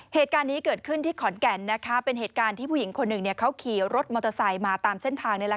เหตุการณ์นี้เกิดขึ้นที่ขอนแก่น